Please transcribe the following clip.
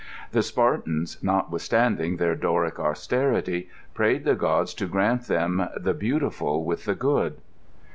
Tbe Spar tans, notwithstanding their Doric austerity, prayed the gods to grant them "the, beautiful with the good."